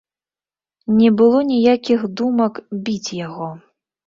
Не было ніякіх думак, біць яго.